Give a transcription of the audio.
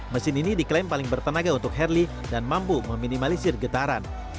mesin ini diklaim paling bertenaga untuk harley dan mampu meminimalisir getaran